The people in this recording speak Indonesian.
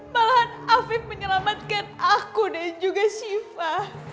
malahan afif menyelamatkan aku dan juga siva